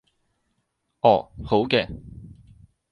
哦，好嘅